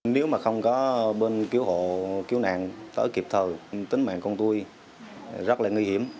nếu mà không có bên cứu hộ cứu nạn tớ kịp thờ tính mạng con tôi rất là nguy hiểm